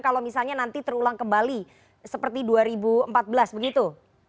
kalau misalnya nanti terulang kembali seperti dua ribu empat belas begitu